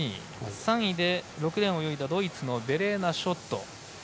３位で６レーンを泳いだドイツのベレーナ・ショット。